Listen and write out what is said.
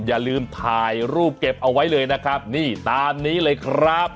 อย่าลืมถ่ายรูปเก็บเอาไว้เลยนะครับนี่ตามนี้เลยครับ